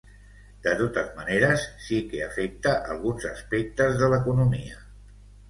De totes maneres, sí que afecta alguns aspectes de l’economia.